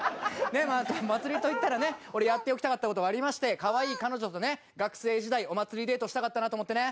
まあ祭りといったらね俺やっておきたかった事がありましてかわいい彼女とね学生時代お祭りデートしたかったなと思ってね。